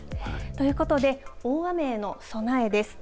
ということで、大雨への備えです。